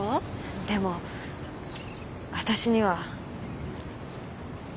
でも私には。